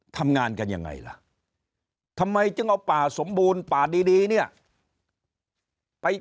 ทำงานกันยังไงล่ะทำไมจึงเอาป่าสมบูรณ์ป่าดีเนี่ยไป